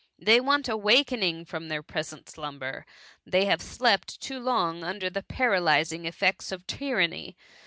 They want awakening from their present slum ber—they have slept too long under the para lysing effects of tyranny.